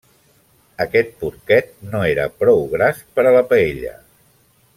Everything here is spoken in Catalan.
Aquest porquet no era prou gras per a la paella.